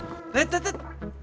tidak tidak tidak